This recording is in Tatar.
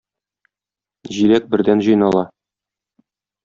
Җиләк бердән җыйнала.